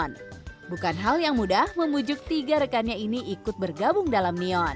dan ini mungkin mungkin bukan hal yang mudah memujuk tiga rekannya ini bergabung dalam neon